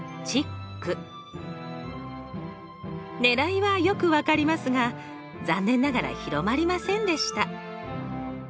ねらいはよく分かりますが残念ながら広まりませんでした。